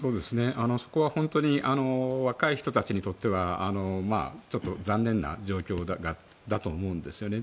そこは本当に若い人たちにとってはちょっと残念な状況だと思うんです。